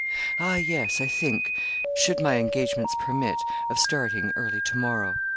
'Ah, yes I think should my engagements permit of starting early to morrow.